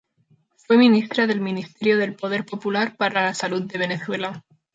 Fue ministra del Ministerio del Poder Popular para la Salud de Venezuela.